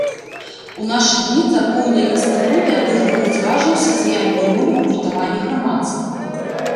У нашы дні царкоўныя інстытуты адыгрываюць важную сацыяльную ролю ў гуртаванні грамадства.